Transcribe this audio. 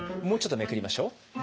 もうちょっとめくりましょう。